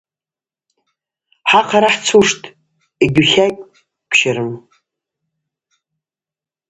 Хӏа хъара хӏцуштӏ, йыгьутлакӏьгвыщарым.